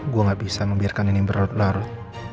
gue gak bisa membiarkan ini berlarut larut